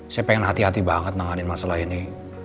saya pengen hati hati banget menanganin masalah ini